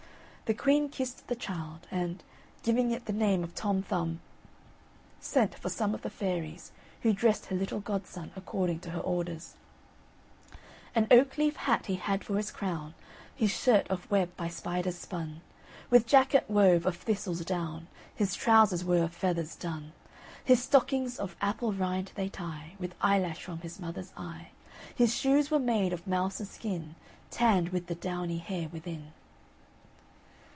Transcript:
The queen kissed the child, and, giving it the name of Tom Thumb, sent for some of the fairies, who dressed her little godson according to her orders: "An oak leaf hat he had for his crown; His shirt of web by spiders spun; With jacket wove of thistle's down; His trowsers were of feathers done. His stockings, of apple rind, they tie With eyelash from his mother's eye His shoes were made of mouse's skin, Tann'd with the downy hair within."